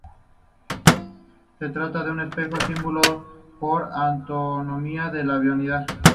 Se trata de un espejo, símbolo por antonomasia de la vanidad.